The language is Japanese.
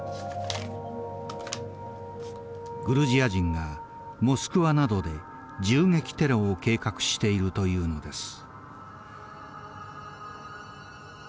グルジア人がモスクワなどで銃撃テロを計画しているというのです。